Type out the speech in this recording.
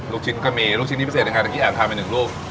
ลูกชิ้นก็มีลูกชิ้นนี้พิเศษยังไงเมื่อกี้แอบทานไปหนึ่งลูก